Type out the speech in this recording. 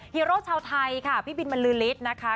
ฮีโร่ชาวไทยค่ะพี่บินมันลื้อลิสนะคะ